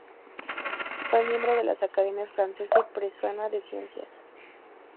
Fue miembro de las Academias Francesa y Prusiana de Ciencias.